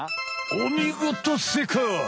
おみごとせいかい！